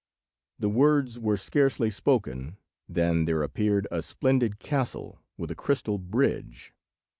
The words were scarcely spoken than there appeared a splendid castle with a crystal bridge.